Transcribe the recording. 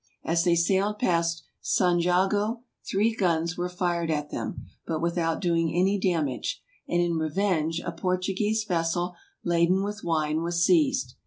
As they sailed past San Jago three guns were fired at them, but without doing any damage, and in revenge a Portuguese vessel, laden with wine, was seized.